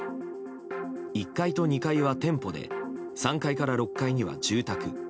１階と２階は店舗で３階から６階には住宅。